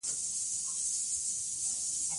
یاقوت د افغانستان د صادراتو برخه ده.